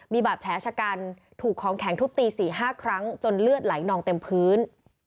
มีบาดแผลชะกันถูกของแข็งทุบตี๔๕ครั้งจนเลือดไหลนองเต็มพื้น